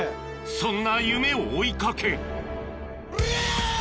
そんな夢を追いかけおりゃ！